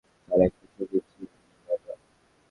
যার লেখা সবচেয়ে ভালো হয়েছে, তার একটা ছবি চেয়ে নেব আমরা।